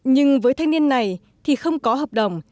nhưng với thanh niên này thì không có hợp đồng